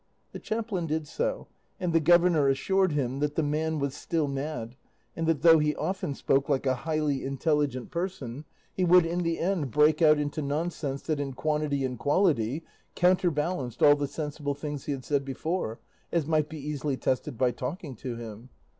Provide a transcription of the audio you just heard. The chaplain did so, and the governor assured him that the man was still mad, and that though he often spoke like a highly intelligent person, he would in the end break out into nonsense that in quantity and quality counterbalanced all the sensible things he had said before, as might be easily tested by talking to him.